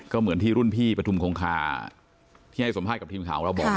ก็เหมือนที่รุ่นพี่ปฐุมคงคาที่ให้สัมภาษณ์กับทีมข่าวของเราบอก